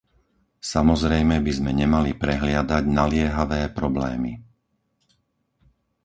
Samozrejme by sme nemali prehliadať naliehavé problémy.